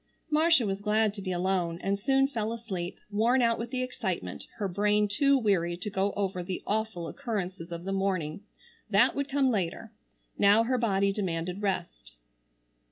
Marcia was glad to be alone, and soon fell asleep, worn out with the excitement, her brain too weary to go over the awful occurrences of the morning. That would come later. Now her body demanded rest.